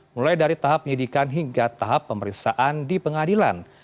mulai dari tahap penyidikan hingga tahap pemeriksaan di pengadilan